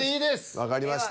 わかりました。